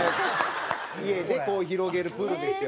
家でこう広げるプールですよ。